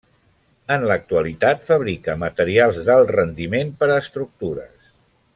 En l'actualitat fabrica materials d'alt rendiment per a estructures.